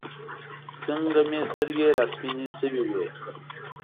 چې څنګه مې سترګې راسپینې شوې وې.